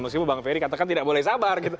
meskipun bang ferry katakan tidak boleh sabar gitu